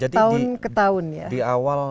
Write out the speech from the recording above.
tahun ke tahun ya